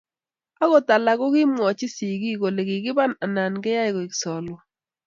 Agot alak ko kimwoch sigik kole kikiban anan keyai koek solwo